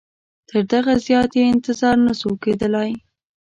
تر دغه زیات یې انتظار نه سو کېدلای.